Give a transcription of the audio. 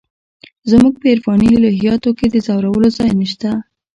زموږ په عرفاني الهیاتو کې د ځورولو ځای نشته.